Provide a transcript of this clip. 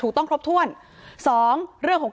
การแก้เคล็ดบางอย่างแค่นั้นเอง